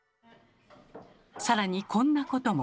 更にこんなことも。